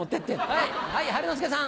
はい。